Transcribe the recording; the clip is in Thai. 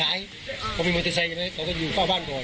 พวกมันมีมอเตอร์ไซช์ใช่ไหมเขาก็อยู่ใกล้บ้านก่อน